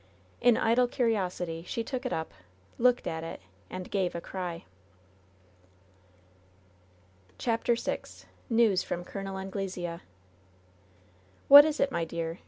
In idle curiosity she took it up, looked at it, and gave a cry. CHAPTER VI NSWS FBOM COL. AK0LESEA ^^HAT is it, my dear ?"